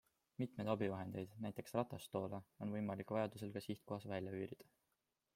Mitmeid abivahendeid, näiteks ratastoole on võimalik vajadusel ka sihtkohas välja üürida.